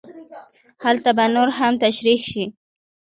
هلته به نور هم تشرېح شي.